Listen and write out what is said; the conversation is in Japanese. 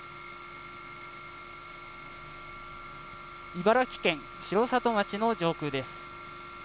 茨城県城里町の上空です。